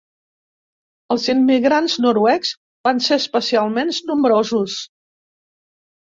Els immigrants noruecs van ser especialment nombrosos.